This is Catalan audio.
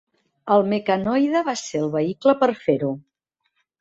El mecanoide va ser el vehicle per fer-ho.